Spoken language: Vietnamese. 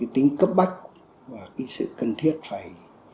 tính cấp bách và sự cần thiết phải